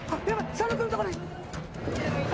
佐野君のとこに。